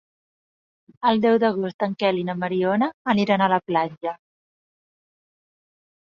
El deu d'agost en Quel i na Mariona aniran a la platja.